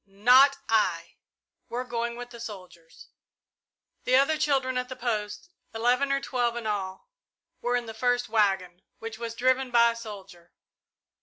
Not I! We're going with the soldiers!" The other children at the post, eleven or twelve in all, were in the first waggon, which was driven by a soldier.